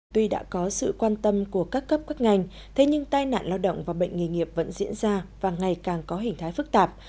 tuy đã có sự quan tâm của các cấp các ngành thế nhưng tai nạn lao động và bệnh nghề nghiệp vẫn diễn ra và ngày càng có hình thái phức tạp